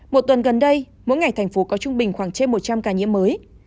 một tuần gần đây mỗi ngày thành phố có trung bình khoảng trên một trăm linh ca nhiễm mới